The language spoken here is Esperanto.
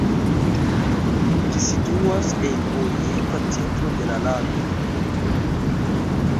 Ĝi situas en orienta centro de la lando.